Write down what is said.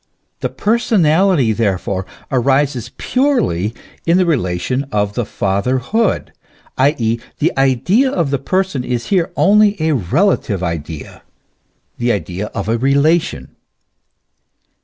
The personality, therefore, arises purely in the relation of the Fatherhood ; i. e., the idea of the person is here only a relative idea, the idea of a relation.